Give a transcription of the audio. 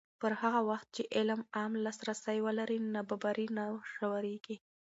پر هغه وخت چې علم عام لاسرسی ولري، نابرابري نه ژورېږي.